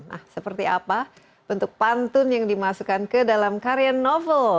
nah seperti apa bentuk pantun yang dimasukkan ke dalam karya novel